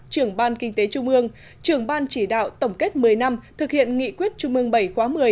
trưởng ban kinh tế trung ương trưởng ban chỉ đạo tổng kết một mươi năm thực hiện nghị quyết trung ương bảy khóa một mươi